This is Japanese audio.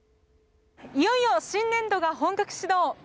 いよいよ新年度が本格始動。